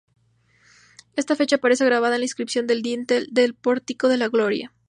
Esta fecha aparece grabada en la inscripción del dintel del Pórtico de la Gloria.